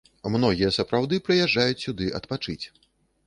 Многія сапраўды прыязджаюць сюды адпачыць.